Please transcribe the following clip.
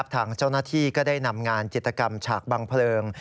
ทางเจ้าหน้าที่ก็ได้นำงานจิตกรรมฉากบังเพลิง